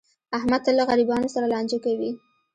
احمد تل له غریبانو سره لانجه کوي.